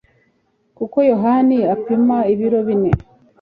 kuko yohani apima ibiro bine